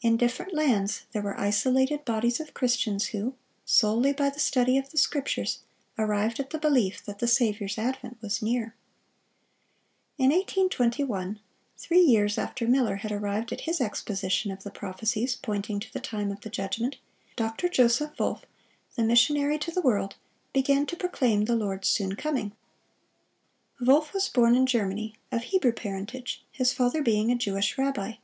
In different lands there were isolated bodies of Christians who, solely by the study of the Scriptures, arrived at the belief that the Saviour's advent was near. In 1821, three years after Miller had arrived at his exposition of the prophecies pointing to the time of the judgment, Dr. Joseph Wolff, "the missionary to the world," began to proclaim the Lord's soon coming. Wolff was born in Germany, of Hebrew parentage, his father being a Jewish rabbi.